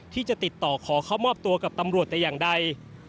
ที่จะติดต่อขอเข้ามอบตัวกับตำรวจแต่อย่างใด